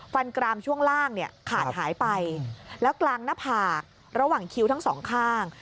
กรามช่วงล่างเนี่ยขาดหายไปแล้วกลางหน้าผากระหว่างคิ้วทั้งสองข้าง